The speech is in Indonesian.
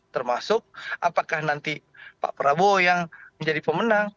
termasuk apakah nanti pak prabowo yang menjadi pemenang